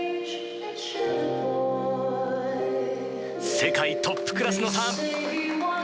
世界トップクラスのターン！